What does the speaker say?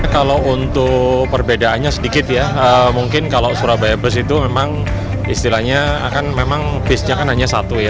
kalau untuk perbedaannya sedikit ya mungkin kalau surabaya bus itu memang istilahnya kan memang bisnya kan hanya satu ya